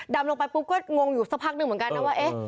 ดำลงไปปุ๊บก็งงอยู่สักพักหนึ่งเหมือนกัน